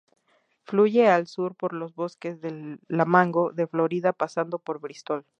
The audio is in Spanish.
Fluye al sur por los bosques de la Mango de Florida, pasando por Bristol.